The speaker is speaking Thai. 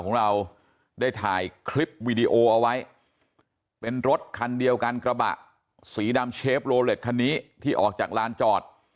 ของเราได้ถ่ายคลิปวีดีโอเอาไว้เป็นรถคันเดียวกันกระบะสีดำเชฟโลเล็ตคันนี้ที่ออกจากลานจอด